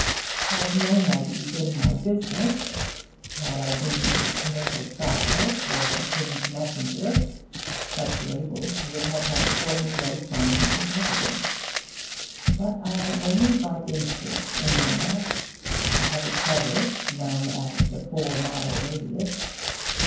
Had nomady been my business, had I been a commercial traveller or a King's Messenger, such labels would have held for me no charming significance. But I am only by instinct a nomad. I have a tether, known as the four mile radius.